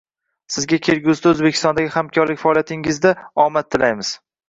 Sizga kelgusida Oʻzbekistondagi hamkorlik faoliyatingizda omad tilaymiz.